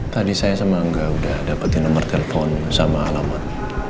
tadi saya sama enggak udah dapetin nomor telepon sama alamat